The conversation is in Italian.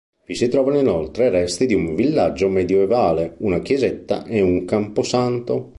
Si trovano inoltre resti di un villaggio medioevale, una chiesetta e un camposanto.